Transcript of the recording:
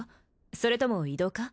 それとも異動か？